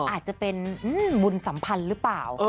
อาจจะเป็นบุญสัมพันธ์หรือเปล่า